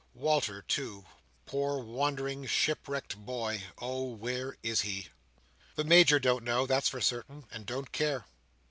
Walter, too, poor wandering shipwrecked boy, oh, where is he? The Major don't know; that's for certain; and don't care.